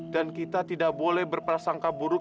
dan kita tidak boleh berprasangka buruk